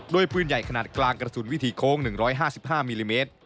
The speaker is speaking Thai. ปืนใหญ่ขนาดกลางกระสุนวิถีโค้ง๑๕๕มิลลิเมตร